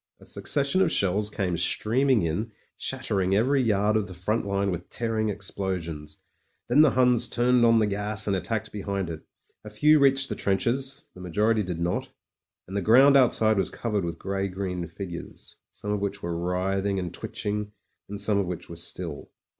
A succession of shells came streaming in, shattering every yard of the front line with tearing explosions. Then the Huns turned on the gas and attacked behind it. A few reached the trenches — ^the majority did not; and the ground out side was covered with grey green figures, some of which were writhing and twitching and scmie of which were still.